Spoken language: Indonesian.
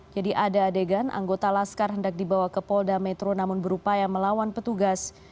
jadi ada adegan anggota laskar hendak dibawa ke polda metro namun berupaya melawan petugas